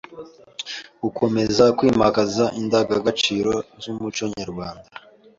Gukomeza kwimakaza indangagaciro z’umuco nyarwanda